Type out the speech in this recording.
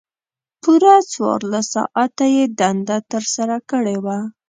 پوره څوارلس ساعته یې دنده ترسره کړې وه.